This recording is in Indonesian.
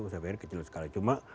saya pikir kecil sekali cuma